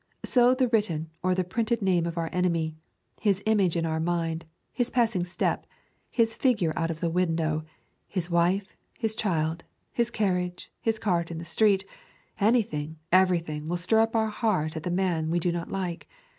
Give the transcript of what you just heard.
So the written or the printed name of our enemy, his image in our mind, his passing step, his figure out of the window; his wife, his child, his carriage, his cart in the street, anything, everything will stir up our heart at the man we do not like.